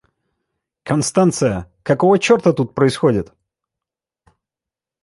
Констанция, какого черта тут происходит?